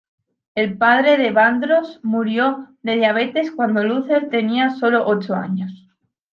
El padre de Vandross murió de diabetes cuando Luther tenía solo ocho años.